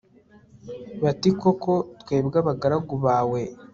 bati koko, twebwe abagaragu bawe